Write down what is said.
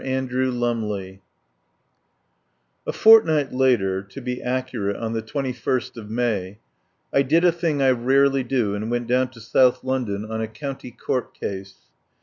ANDREW LUMLEY A FORTNIGHT later— to be accurate, on the 2 1 st of May — I did a thing I rarely do, and went down to South London on a County Court case.